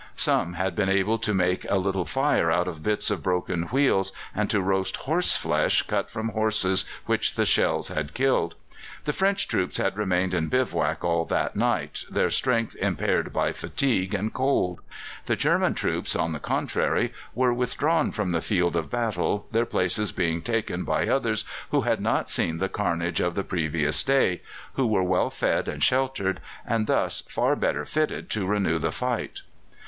Some had been able to make a little fire out of bits of broken wheels, and to roast horse flesh cut from horses which the shells had killed. The French troops had remained in bivouac all that night, their strength impaired by fatigue and cold; the German troops, on the contrary, were withdrawn from the field of battle, their places being taken by others who had not seen the carnage of the previous day, who were well fed and sheltered, and thus far better fitted to renew the fight.